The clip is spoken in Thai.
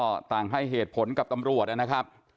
จะไม่เคลียร์กันได้ง่ายนะครับ